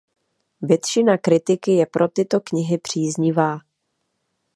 Většina kritiky je pro tyto knihy příznivá.